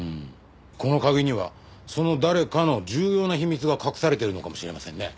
この鍵にはその「誰か」の重要な秘密が隠されてるのかもしれませんね。